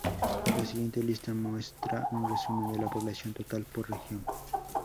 La siguiente lista muestra un resumen de la población total por región.